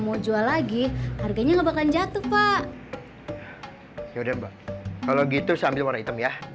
mau jual lagi harganya gak bakalan jatuh pak ya udah mbak kalau gitu saya ambil warna hitam ya